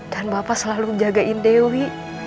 dan bapak selalu jagain dewi